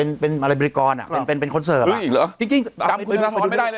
เป็นคอนเสิร์ฟจำคุณธนทรไม่ได้เลยเหรอ